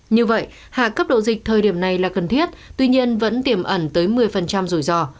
như vậy hạ cấp độ dịch thời điểm này là cần thiết tuy nhiên vẫn tiềm ẩn tới một mươi rủi ro